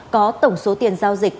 có tổng số tiền giao dịch